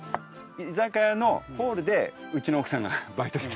居酒屋のホールでうちの奥さんがバイトしてた。